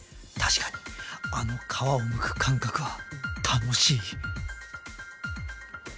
確かにあの皮をむく感覚は楽しい。